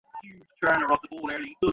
রাজলক্ষ্মী কহিলেন, যাও বউমা, শুতে যাও।